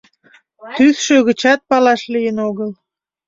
Тӱсшӧ гычат палаш лийын огыл.